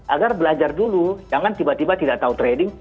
agar belajar dulu jangan tiba tiba tidak tahu trading